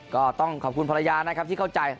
ก็ต้องขอบคุณภรรยานะครับที่เข้าใจ